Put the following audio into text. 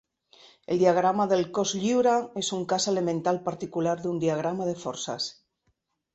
El diagrama del cos lliure és un cas elemental particular d'un diagrama de forces.